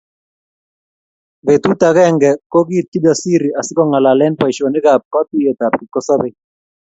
Betut agenge kokiit Kijasiri asikongalale boisionikab katuiyetab kipkosobei